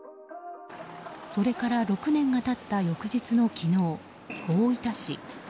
それから６年が経った翌日の昨日大分市。